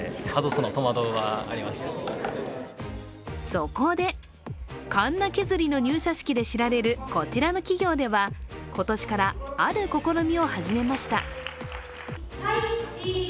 そこで、かんな削りの入社式で知られるこちらの企業では今年から、ある試みを始めました。